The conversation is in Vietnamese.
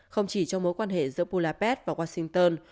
không chỉ trong mối quan hệ giữa buladet và washington